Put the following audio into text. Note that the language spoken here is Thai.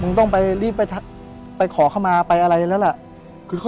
มึงต้องเร่งไปขอข้ามาไปอะไรแล้วล่ะ